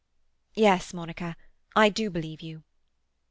"Yes, Monica, I do believe you."